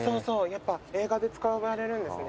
やっぱ映画で使われるんですね。